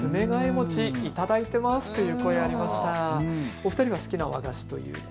お二人は好きな和菓子というと？